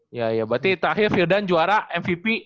iya iya berarti terakhir firdan juara mvp